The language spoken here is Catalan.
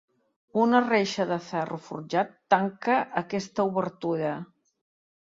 Una reixa de ferro forjat tanca aquesta obertura.